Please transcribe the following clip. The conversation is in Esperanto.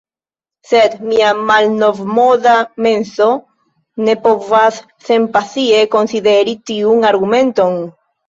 Sed mia malnovmoda menso ne povas senpasie konsideri tiun argumenton.